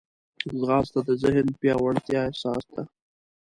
ځغاسته د ذهن د پیاوړتیا اساس ده